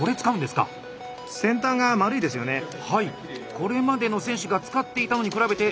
これまでの選手が使っていたのに比べて丸くなっています。